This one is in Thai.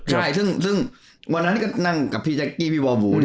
ใช่ซึ่งวันนั้นก็นั่งกับพี่แจ๊กกี้พี่วอร์บู